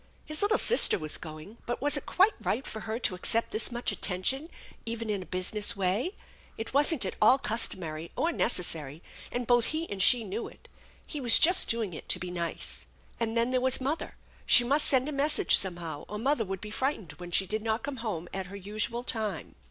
His little sister was going, but was it quite right for her to accept this much attention even in a business way ? It wasn't at all customary or necessary, and both he and she knew it. He was just doing it to be nice. And then there was mother. She must send a message somehow, or mother would be frightened when she did not oome home at her usual time.